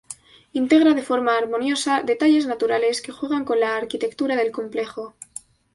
Integra de forma armoniosa detalles naturales que juegan con la arquitectura del complejo.